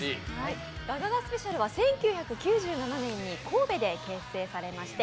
ガガガＳＰは１９９７年に神戸で結成されました